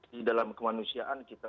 di dalam kemanusiaan kita